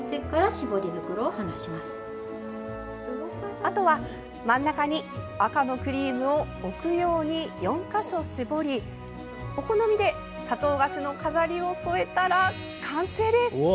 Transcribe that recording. あとは、真ん中に赤のクリームを置くように４か所絞りお好みで砂糖菓子の飾りを添えたら完成です！